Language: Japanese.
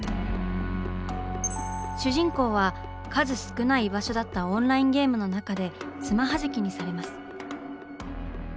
主人公は数少ない居場所だったオンラインゲームの中でつまはじきにされます。